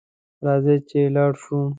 راځه چې لاړشوو